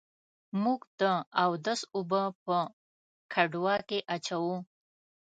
موږ د اودس اوبه په ګډوه کي اچوو.